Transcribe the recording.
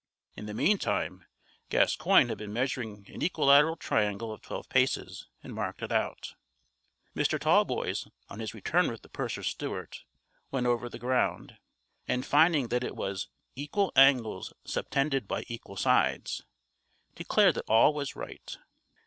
In the meantime Gascoigne had been measuring an equilateral triangle of twelve paces, and marked it out. Mr. Tallboys, on his return with the purser's steward, went over the ground, and, finding that it was "equal angles subtended by equal sides," declared that all was right.